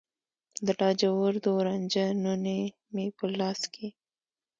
د لاجوردو رنجه نوني مې په لاس کې